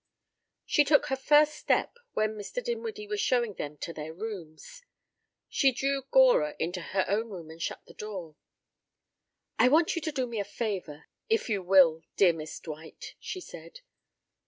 She took her first step when Mr. Dinwiddie was showing them to their rooms. She drew Gora into her own room and shut the door. "I want you to do me a favor if you will, dear Miss Dwight," she said.